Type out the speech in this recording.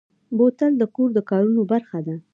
بوتل د کور د کارونو برخه ده.